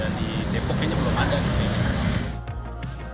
dari depoknya belum ada gitu